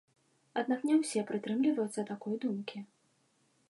Аднак не ўсе прытрымліваюцца такой думкі.